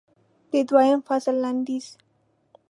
د دویم فصل لنډیز